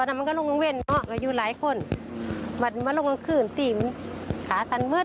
มันลงกลางคืนติ่มขาตันเมือด